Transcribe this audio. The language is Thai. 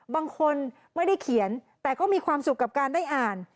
บางคนไม่ได้เขียนแต่ก็มีความสุขกับการได้อ่าน